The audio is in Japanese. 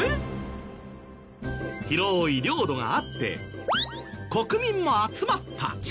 広い領土があって国民も集まった。